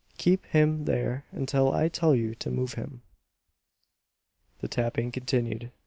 "Keep him there until I tell you to move him." The tapping continued.